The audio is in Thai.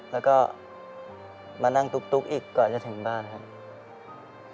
แล้วก็มานั่งตุ๊กอีกก่อนจะถึงบ้านครับ